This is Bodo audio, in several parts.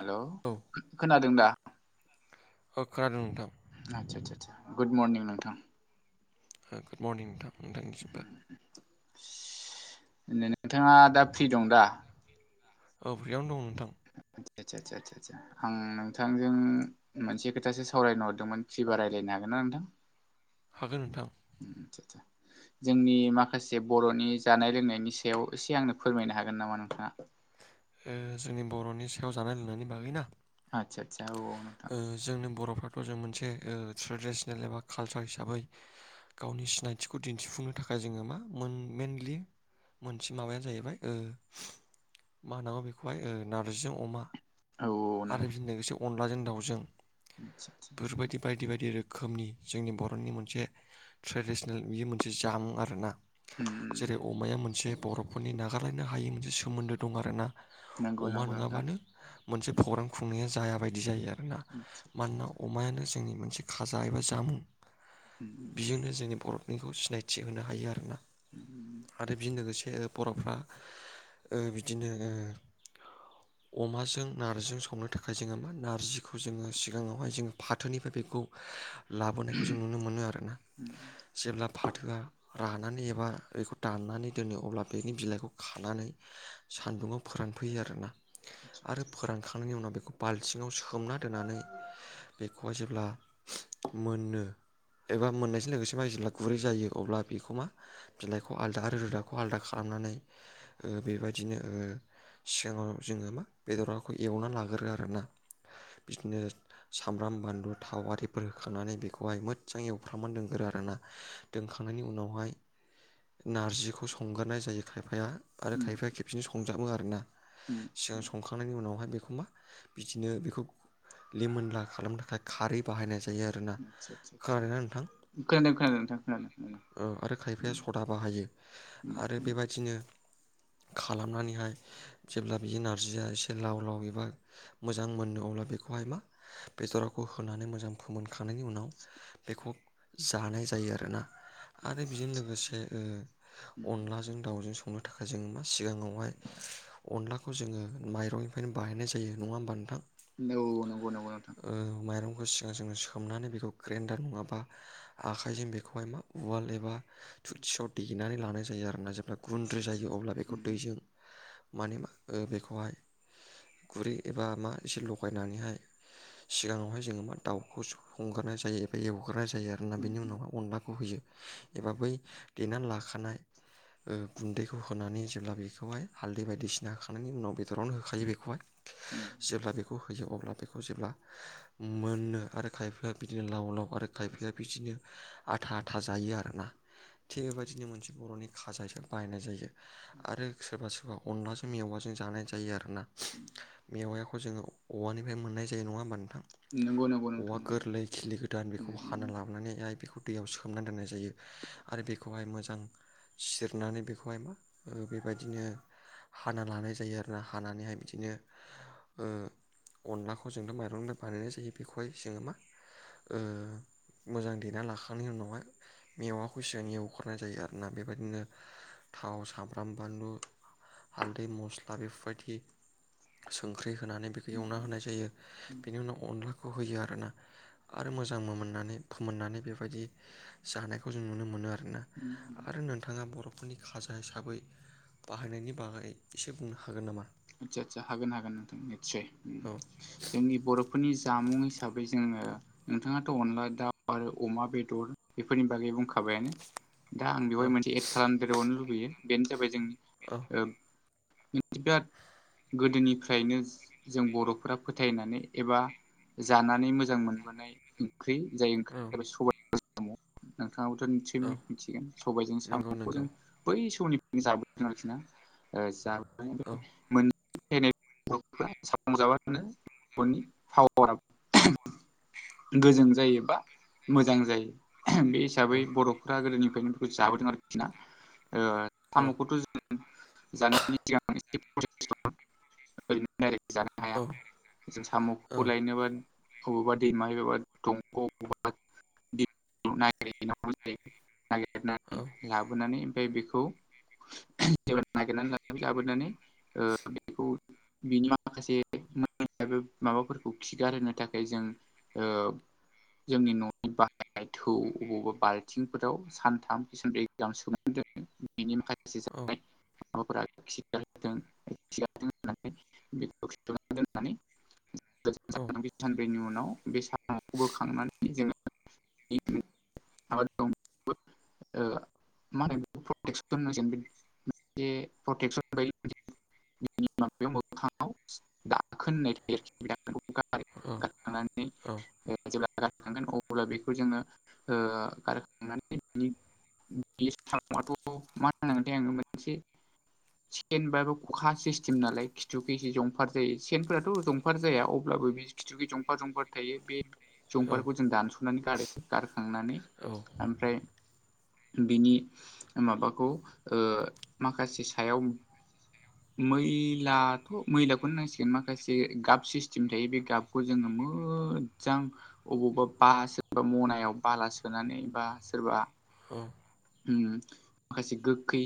हेलौ औ खोनादों दा? औ खोनादों नोंथां। आदसा आदसा गुड मरनिं नोंथां। गुड मरनिं नोंथां नोंथांनिसिमबो नोंथाङा दा फ्रि दं दा? औ फ्रियावनो दं नोंथां। आदसा आदसा आदसा आदसा आं नोंथांजों मोनसे खोथासो सावरायनो हरदोंमोन फ्रिबा रायजलायनो हागोन ना नोंथां? हागोन नोंथां। आसा आसा जोंनि माखासे बर'नि जानाय लोंनायनि सायाव एसे आंनो फोरमायनो हागोन नामा नोंथाङा? जोंनि बर'नि सायाव जानाय लोंनायनि बागै ना। आतसा आदसा अ नोंथां जोंनि बर'फ्राथ' जों मोनसे ट्रेडिसनेल एबा कालसार हिसाबै गावनि सिनायथिखौ दिन्थिफुंनो थाखाय जोङो मा मोन- मेनलि मोनसे माबायानो जाहैबाय ओ मा होनांगौ बेखौहाय ओ नारजिजों अमा। औ नों आरो बेजों लोगोसे अनलाजों दाउजों आदसा आदसा आदसा बेफोरबायदि बायदि बायदि रो खोमनि जोंनि बर'नि मोनसे ट्रेडिसनेल बेयो मोनसे जामुं आरो ना। उम जेरै अमाया मोनसे बर'फोरनि नागारलायनो हायि मोनसे सोमोन्दो दं आरो ना। नंगौ अमा नंगौ नोंथां नङाबानो मोनसे प्रग्राम खुंनाया जाया बायदि जायो आरो ना आदसा आदसा मानोना आदसा अमायानो जोंनि मोनसे खाजा एबा जामुं। उम बेजोंनो जोंनि बर'निखौ सिनायथि होनो हायो आरोना। उम आरो बे लोगोसे बर'फ्रा ओ बिदिनो ओ अमाजों नारजिजों संनो थाखाय जोङो मा नारजिखौ जोङो सिगाङावहाय जोङो फाथोनिफ्राय बेखौ लाबोनायखौ जों नुनो मोनो आरो ना। जेब्ला फाथोआ रानानै एबा बेखौ दाननानै दोनो अब्ला बेनि बिलाइखौ खानानै सान्दुङाव फोरानफैयो आरो ना आदसा आरो आदसा फोरानखांनायनि उनाव बेखौ थिङाव सोमना दोननानै बेखौहाय जेब्ला मोनो एबा मोननायजों लोगोसे मा जेब्ला गुरै जायो अब्ला बेखौ मा बिलाइखौ आलदा आरो रोदाखौ आलदा खालामनानै ओ बेबायदिनो ओ सिगाङाव जोङो मा बेदरखौ एवनानै लागोरो आरो ना। बिदिनो सामब्राम बानलु थाव आरिफोर होखांनानै बेखौहाय मोजजां एवफ्राम [unintelligible] आरो ना। दोनखांनायनि उनावहाय नारजिखौ संगारनाय जायो खायफाया। आरो उम खायफाया खेबसेनो संजाबो आरो ना। उम सिगां संखांनायनि उनावहाय बेखौ मा बिदिनो बेखौ लिमोनला खालामनो थाखाय खारै बाहायनाय जायो आरो ना। आदसा आदसा आदसा खोनादों ना नोंथां? खोनादों खोनादों नोंथां खोनादों। औ आरो खायफाया सदा बाहायो उम आरो उम बेबायदिनो खालामनानैहाय जेब्ला बेयो नारजिया एसे लाव लाव एबा मोजां मोननो अब्ला बेखौहाय मा बेदराखौ होनानै मोजां फोमोनखांनायनि उनाव बेखौ जानाय जायो आरो ना। आरो आदसा बेजों आदसा आदसा लोगोसे ओ अनलाजों दाउजों स संनो थाखाय जोङो मा सिगाङावहाय अनलाखौ जोङो माइरंनिफ्रायनो बानायनाय जायो। नङा होनबा नोंथां उम औ नंगौ नंगौ नोंथां ओ माइरं खौ सिगां सिगां सोमनानै बेखौ ग्रेन्डार नङाबा आखाइजों बेखौहाय मा उवाल एबा थुरसियाव देेनानै लानाय जायो आरो ना जेब्ला आदसा गुन्द्रि जायो आदसा अब्ला बेखौ उम दैजों माने मा ओ बेखौहाय गुरै एबा मा एसे लगायनानैहाय सिगाङावहाय जोङो मा दाउखौ संगारनाय जायो एबा एवगारनाय जायो आरो ना। उम बेनि उनावहा अनलाखौ होयो एबा बै देनानै लाखानाय ओ गुन्दैखौ होनानै जेब्ला बेखौहाय हालदै बायदिसिना होखांनायनि उनाव बेदरावनो होखायो बेखौहाय। उम जेब्ला बेखौ होयो अब्ला बेखौ जेब्ला मोनो आरो खायफाया बिदिनो लाव लाव आरो खायफाया बिदिनो आथा आथा जायो आरो ना। थिग बेबायदिनो मोनसे बर'नि खाजा हिसाबै बाहायनाय जायो। आरो सोरबा सोरबा अनलाजों मेवाजों जानाय जायो आरो ना। मेवायाखौ जोङो औवानिफ्राय मोननाय जायो नङा होमबा नोंथां। नंगौ नंगौ नोंथां औवा नंगौ गोरलै खिलि गोदान उम बेखौ हाना लाबोनानैहाय बेखौ दैयाव सोमनानै दोननाय जायो आरो बेखौहाय मोजां सिरनानै बेखौहाय मा ओ बेबायदिनो हाना लानाय जायो आरो ना। हानानैहाय बिदिनो ओ अनलाखौ जोंनो माइरंनि बानायनाय जायो बेखौहाय जोङो मा ओ मोजां देना लाखांनायनि उनावहाय मेवाखौ सिगां एवगारनाय जायो आरो ना। बेबायदिनो थाव सामब्राम बानलु हाल्दै मस्ला बेफोरबायदि संख्रि होनानै बेखौ उम एवना होनाय जायो। बेनि उनाव अनलाखौ होयो आरो ना। आरो मोजांबो मोननानै फोमोननानै बेबायदि जानायखौ जों नुनो मोनो आरो ना। उम उम आरो नोंथाङा बर' फोरनि खाजा हिसाबै बाहायनायनि बागै एसे बुंनो हागोन नामा? आदसा आदसा हागोन हागोन नोंथां निस्सय। उम औ। जोंनि बर'फोरनि जामुं हिसाबै जोङो नोंथाङाथ' अनला दाउ आरो अमा बेदर बेफोरनि बागै बुंखाबायानो। दा आं औ बेवहाय मोनसे एद खालामदेरबावनो लुबैयो बेनो जाबाय जोंनि औ ओब [unintelligible] गोदोनिफ्रायनो जों बर'फोरा फोथायनानै एबा जानानै मोजां मोनबोनाय ओंख्रि जाय औ [unintelligible] नोंथांङाबोथ' निसय औ मिथिगोन सबायजों नंगौ साम'खौ नंगौ जों बै समनि [unintelligible] औ [unintelligible] गोजों जायो बा मोजां जायो बे औ हिसाबै बर'फोरा गोदोनिफ्रायनो बेखौ जाबोदों आरोखि ना ओ औ साम'खौथ' जों जानायनि सिगां [unintelligible] [unintelligible] जानो हाया औ जों औ साम'खौ लायनोबा अबावबा दैमा एबाबा दंग' अबावबा [unintelligible] ओं लाबोनानै ओमफ्राय बेखौ जेब्ला नागिरनानै ला लाबोनानै ओ बेखौ बिनि माखासे माबाफोरखौ खिगारहोनो थाखाय जों ओ जोंनि न'नि बाहायनाय थौ अबावबा बाल्थिंफोराव सानथाम किसानब्रै [unintelligible] बेनि माखासे औ [unintelligible] [unintelligible] सानब्रैनि उनाव बे साम'खौ बोखांनानै [unintelligible] [unintelligible] मा होनो बे [unintelligible] [unintelligible] बे मोखांङाव दाखोननाय थायो औ आरोखि दा औ [unintelligible] जेब्ला गारखांगोन अब्ला बेखौ जोंङो ओ गारखांनानै [unintelligible] मा होनांगोनथाय आंङो मोनसे चेन बा अखा सिस्टेम नालाय खिथु खिसि जंफार जायो सेनफोराथ' जंफार जाया अब्लाबो बि खिथुखै जंफार जंफार थायो बे समंफारखौ जों दानस'नानै गारो गारखांनानै ओमफ्राय बिनि माबाखौ माखासे सायाव मैलाथ' मैलाखौनो नांसिगोन माखासे गाब सिस्टेम थायो बे गाबखौ जोंङो मो मोजां अबावबा बा सोरबा मनायाव बाला सोनानै बा सोरबा औ उम खायसे गोखै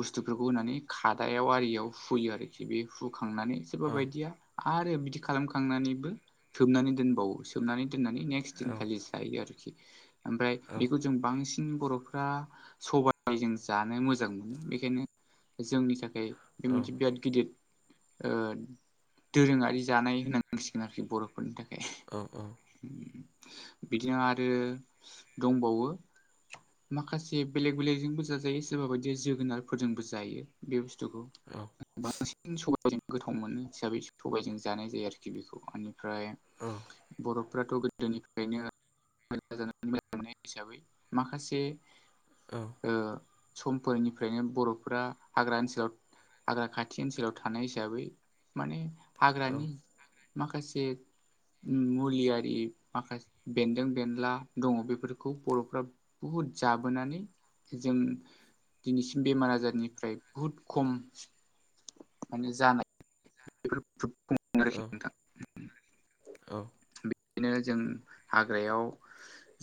बुस्थुफोरखौ होनानै खादायाव आरियाव हुयो आरोखि बे हुखांनानै बेफोर बायदिया आरो बिदि खालामखांनानैबो सोबनानै दोनबावो सोबनानै दोननानै नेक्स्ट [unintelligible] खालि जायो आरोखि ओमफाय बेखौ जों बांसिन बर'फ्रा सबाय जों जानो मोजां मोनो बेखायनो जोंनि थाखाय बे मोनसे बिराद गिदिर ओ दोरोंङारि जानाय होननांसिगोन आरोखि बर'फोरनि थाखाय। औ औ बिथिंनो आरो दंबावो माखासे बेलेग बेलेगजोंबो जाजायो सोरबा बायदि जोगोनारफोरजोंबो जायो बे बुस्थुखौ। बांसिन सबजों गोथाव मोनो हिसाबै सबायाइजों जानाय जायो आरोखि बेखौ बेनिफ्राय औ बर'फ्राथ' गोदोनिफ्रायनो [unintelligible] मोननाय हिसाबै माखासे औ समफोरनिफ्रायनो बर'फोरा हाग्रा ओनसोलाव हाग्रा खाथि ओनसोलाव थानाय हिसाबै माने औ हाग्रानि माखासे मुलियारि माखासे बेन्दों- बेनला दंङो बेफोरखौ बर'फ्रा बुहुद जाबोनानै जों दिनैसिम बेमार आजारनिफ्राय बुहुद खम माने जानाय बे औ आरोखि नोंथां [unintelligible] औ। बिदिनो जों हाग्रायाव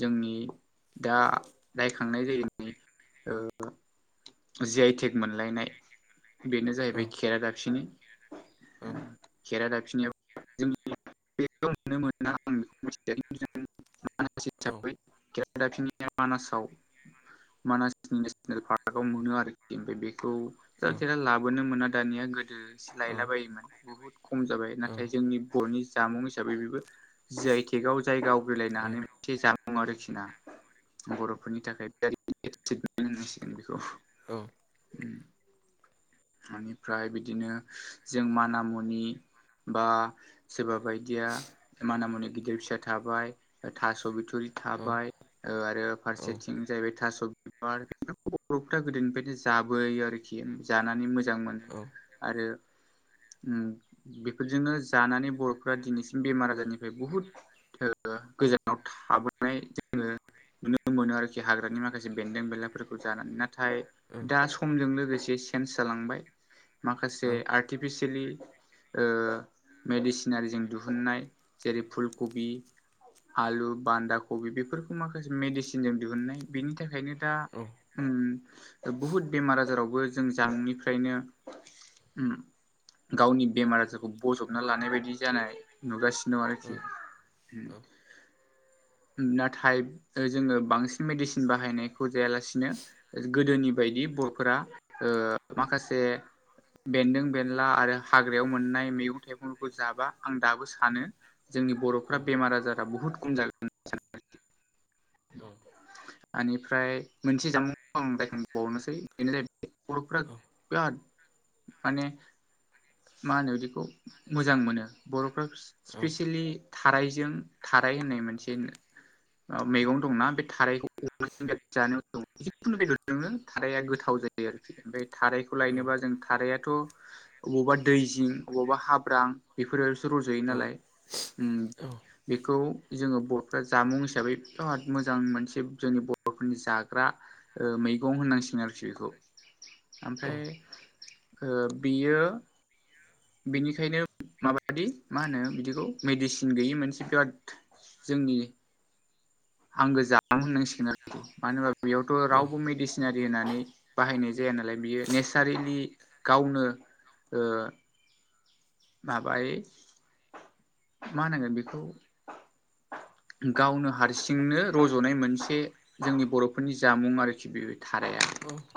जोंनि दा नायखांनाय जायो नै ओ जि आइटेक मोनलायनाय बेनो जाहैबाय खेरा दाफिनि खेरादा फिनाया जोंनि बे नुनो मोना आं बेखौ मि मानसि हिसाबै [unintelligible] खेराइ दाफिनि मानासाव मानासनि नेसनेल पार्क [unintelligible] फ्राव मोनो आरोखि ओमफ्राय बेखौ ज थेला लाबोनो मोना दानिया गो गोदोसो लायला बायोमोन बुहुत खम जाबाय नाथाय जोंनि बर'नि जामुं हिसाबै बेबो जिआइटेकआव जायगा आवग्रिलायनो हानाय मोनसे जामुं आरोखि ना बर'फोरनि थाखाय बेम होनांसिगोन बेखौ औ। उम बेनिफ्राय बिदिनो जों माना मुनि बा सोरबा बायदिया माना मुनि गिदिर फिसा थाबाय थास' बिथुरि थाबाय ओ आरो फारसेथिं जाहैबाय थास' बिबार बर'फ्रा गोदोनिफ्रायनो जाबोयो आरोखि जानानै मोजां मोनो आरो उम बेफोरजोंनो जानानै बर'फोरा दिनैसिम बेमार आजारनिफ्राय बुहुद ओ गोजानाव थाबोनाय जोङो नुनो मोनो आरोखि हाग्रानि माखासे बेन्दों बेनलाफोरखौ जानानै नाथाय दा समजों लोगोसे चेन्स जालांबाय माखासे आर टिभिसिलि ओ मेडिसिनारिजों दिहुनन्नाय जेरै फुल कबि आलु, बान्दा, कबि बेफोरखौ माखासे मेडिसिनजों दिहुननाय बेनि थाखायनो दा उम बुहुद बेमार आजारावबो जों जांमुनिफ्रायनो उम गावनि बेमार आजारखौ बजबना लानाय बायदि जानाय नुगासिनो दं आरोखि उम नाथाय जोङो बांसिन मेडिसिन बाहायनायखौ जायालासिनो गोदोनि बायदि बर'फोरा ओ माखासे बेन्दों बेनला आरो हाग्रायाव मोननाय मैगं थाइगंफोरखौ जाबा आं दाबो सानो जोंनि औ बर'फ्रा बेमार आजारा बुहुत खम जागोन। उम आनिफ्राय मोनसे जामुंखौ आं रायखांबावनोसै बेनो [unintelligible] गफ प्याद बिराद [unintelligible] माने मा होनो बिदिखौ मोजां मोनो बर'फ्रा औ स्पेसिलि थारायजों थाराय होननाय मोनसे ओ मैगं दं बे थारखौ ज जिखुनु बेदरजोंनो थारआ गोथाव जायो। जायो आरोखि ओमफ्राय थारायखौ ओ लायनोबा जों थारायआथ' बबावबा दैजिं बबावबा हाब्रां बेफोरसो रज'यो नालाय उम बेखौ जोङो बर'फ्रा जामुं हिसाबै बिराद मोजां मोनसे जोंनि बर'फोरनि जाग्रा ओ मैगं होननांसिगोन आरोखि बेखौ ओमफ्राय ओ बियो बेनिखायनो माबादि मा होनो बिदिखौ मेडिसिन गैयि मोनसे बिराद जोंनि आंगो जामुं होननांसिगोन आरोखि मानो होनोबा बेयावथ' रावबो मेडिसिन सिनारि होननानै बाहायनाय जाया नालाय बियो नेसारेलि गावनो ओ माबायो मा होनांगोन बेखौ गावनो हारसिंनो रज'नाय मोनसे जोंनि बर'फोरनि जामुं आरोखि बेयो।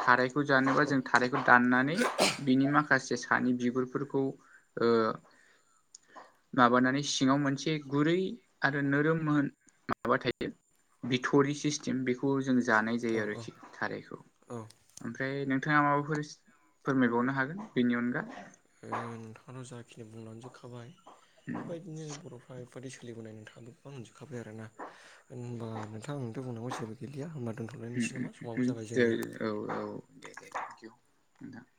थारायखौ जानोबा जों थाराय दाननानै बिनि माखासे सानि बिगुरफोरखौ ओ माबानानै सिङाव मोनसे गुरै आरो नोरोम होन माबा थायो बिथ'रि सिस्टेम बेखौ जों जानाय जायो आरो थारायखौ। ओमफ्राय नोंथाङा माबाफोर फोरमायबावनो हागोन बेनि अनगा? नोंथांनाव जाखिनि बुंलांजोबखाबाय बेबायदिनो बर' बेफोरबायदि सोलिबोनाय नोंथाङा गोबां मोनजोबखाबाय आरोना होनबा नोंथां नोंथां बुंनांगौ जेबो गैलिया होनबा उम दोनथ'लायनिसै उम नामा उम समाबबो जाबाय दे जोंनिया। औ [unintelligible]